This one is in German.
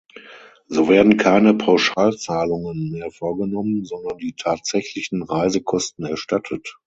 So werden keine Pauschalzahlungen mehr vorgenommen, sondern die tatsächlichen Reisekosten erstattet.